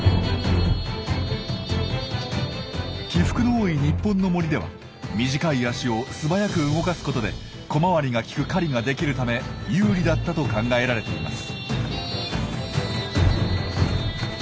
起伏の多い日本の森では短い脚を素早く動かすことで小回りが利く狩りができるため有利だったと考えられています。